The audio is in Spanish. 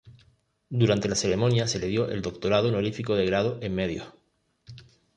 Durante la ceremonia, se le dio el Doctorado honorífico de grado en Medios.